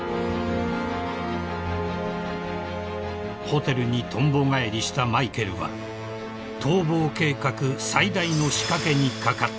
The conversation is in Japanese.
［ホテルにとんぼ返りしたマイケルは逃亡計画最大の仕掛けにかかった］